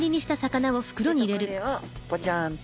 えっとこれをポチャンと。